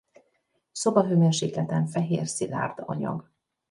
Szobahőmérsékleten fehér szilárd anyag.